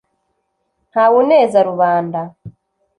ntawe uneza rubanda